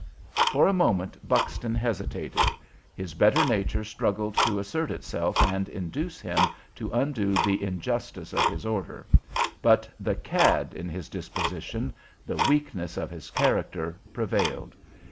For a moment Buxton hesitated; his better nature struggled to assert itself and induce him to undo the injustice of his order; but the "cad" in his disposition, the weakness of his character, prevailed.